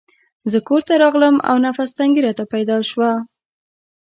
زه کورته راغلم او نفس تنګي راته پېښه شوه.